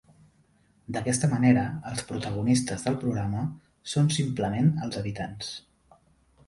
D'aquesta manera, els protagonistes del programa són simplement els habitants.